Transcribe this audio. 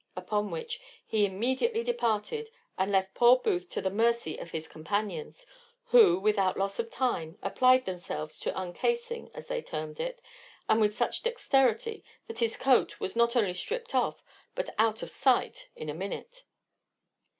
Upon which he immediately departed, and left poor Booth to the mercy of his companions, who without loss of time applied themselves to uncasing, as they termed it, and with such dexterity, that his coat was not only stript off, but out of sight in a minute.